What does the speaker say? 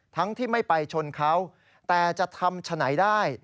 ทั้งที่ไม่ไปชนเขาแต่จะทำฉะไหนได้